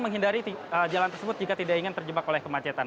menghindari jalan tersebut jika tidak ingin terjebak oleh kemacetan